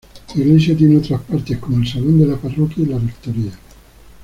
La Iglesia tiene otras partes, como el salón de la parroquia y la rectoría.